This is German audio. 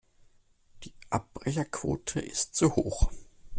Die Abbrecherquote ist zu hoch.